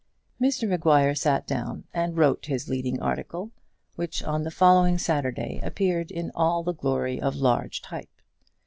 Mr Maguire sat down and wrote his leading article, which on the following Saturday appeared in all the glory of large type.